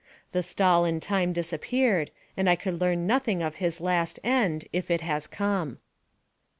The stall in time disappeared, and I could learn nothing of his last end, if it has come.